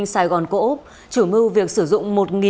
sài gòn cổ úp chủ mưu việc sử dụng